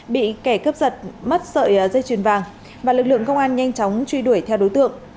bị kẻ cướp giật mất sợi dây chuyền vàng và lực lượng công an nhanh chóng truy đuổi theo đối tượng